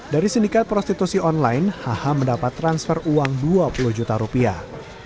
dari sindikat prostitusi online hh mendapat transfer uang dua puluh juta rupiah